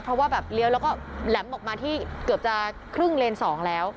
เพราะว่าแบบเลี้ยวแล้วก็แหลมออกมาที่เกือบจะครึ่งเลน๒แล้ว